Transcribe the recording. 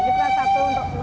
ya kita satu untuk